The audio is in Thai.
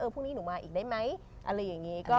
พรุ่งนี้หนูมาอีกได้ไหมอะไรอย่างนี้